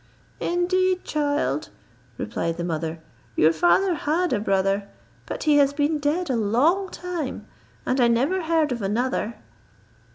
"Indeed, child," replied the mother, "your father had a brother, but he has been dead a long time, and I never heard of another."